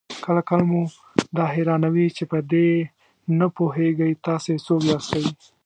کله کله مو دا حيرانوي چې په دې نه پوهېږئ تاسې څوک ياستئ؟